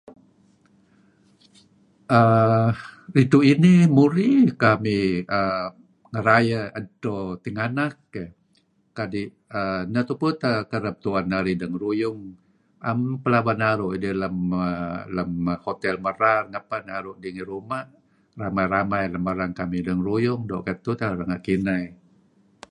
Aah... ridtu' inih murih kamih ngerayeh edto tinganak keyh. Kadi' neh tupu teh kereb tu'en narih dengeruyung. 'Em nuk plaba naru' idih lem err... lem hotel merar. Naru' dih ngih ruma' , ramai-ramai lem erang kamih dengeruyung. Doo' ketuh teh renga' kineh.